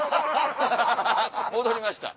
戻りました。